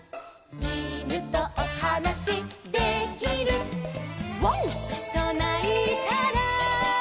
「いぬとおはなしできる」「ワンとないたら」